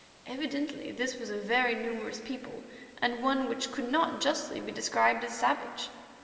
Evidently this was a very numerous people, and one which could not justly be described as savage.